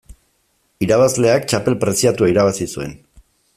Irabazleak txapel preziatua irabazi zuen.